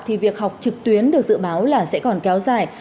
thì việc học trực tuyến được dự báo là sẽ còn kéo dài